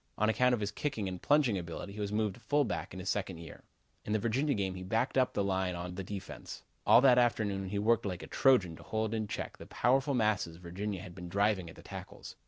On account of his kicking and plunging ability he was moved to fullback in his second year. In the Virginia game he backed up the line on the defense. All that afternoon he worked like a Trojan to hold in check the powerful masses Virginia had been driving at the tackles.